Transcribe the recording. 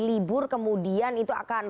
libur kemudian itu akan